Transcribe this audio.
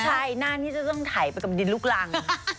ใช่หน้านี้จะต้องถ่ายไปกับดินลูกรัง